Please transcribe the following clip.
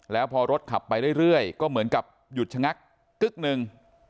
แล้วพอรถขับไปเรื่อยก็เหมือนกับหยุดชะงักกึ๊กนึง